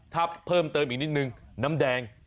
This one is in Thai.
ถ้าเพิ่มเติมอีกนิดนึงน้ำแดง